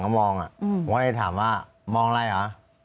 ผมก็เลยถามว่ามองอะไรเหรอ